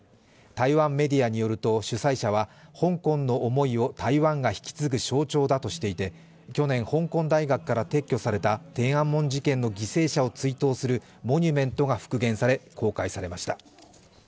台湾メディアによると主催者は香港の思いを台湾が引き継ぐ象徴だとしていて去年、香港大学から撤去された天安門事件の犠牲者を追悼するモニュメントが復元され公開されました。